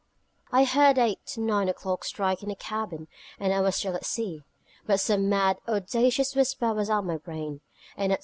I heard eight, nine o'clock strike in the cabin, and I was still at sea. But some mad, audacious whisper was at my brain: and at 10.